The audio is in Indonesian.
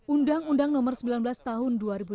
undang undang nomor sembilan belas tahun dua ribu tiga